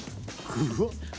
うわっ。